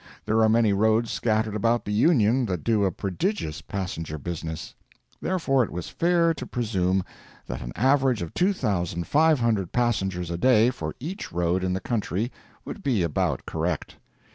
There are many roads scattered about the Union that do a prodigious passenger business. Therefore it was fair to presume that an average of 2,500 passengers a day for each road in the country would be about correct.